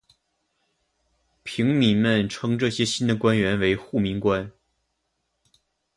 平民们称这些新的官员为护民官。